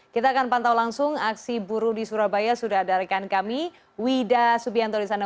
kita akan pantau langsung aksi buruh di surabaya sudah ada rekan kami wida subianto di sana